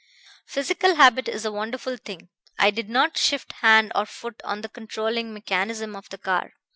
"Physical habit is a wonderful thing. I did not shift hand or foot on the controlling mechanism of the car.